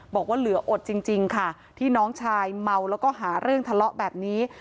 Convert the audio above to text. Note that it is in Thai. บอกว่าเหลืออดจริงค่ะที่น้องชายเมาแล้วก็หาเรื่องทะเลาะแบบนี้